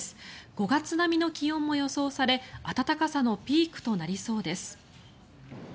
５月並みの気温も予想され暖かさのピークとなりそうです。